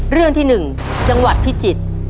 เรื่องที่๑จังหวัดพิจิตร